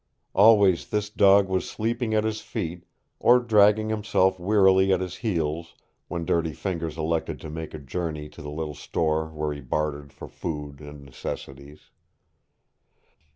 Always this dog was sleeping at his feet or dragging himself wearily at his heels when Dirty Fingers elected to make a journey to the little store where he bartered for food and necessities.